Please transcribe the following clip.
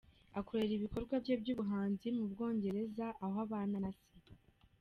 Akorera ibikorwa bye by’ubuhanzi mu Bwongereza aho abana na se.